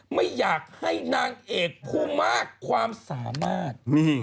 ไม่อยากให้นางเอกผู้มากความสามารถ